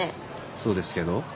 そうですけど？